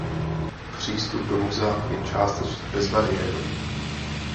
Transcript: Přístup do muzea je částečně bezbariérový.